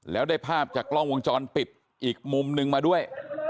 แล้วได้ภาพจากกล้องวงจรปิดอีกมุมนึงมาด้วย